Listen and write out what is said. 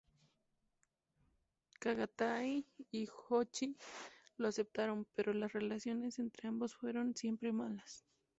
Chagatai y Jochi lo aceptaron, pero las relaciones entre ambos fueron siempre malas.